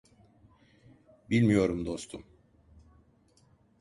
Bilmiyorum dostum.